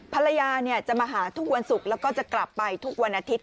ภรรยาจะมาหาทุกวันศุกร์แล้วก็จะกลับไปทุกวันอาทิตย